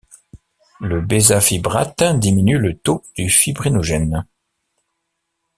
Le bézafibrate diminue le taux du fibrinogène.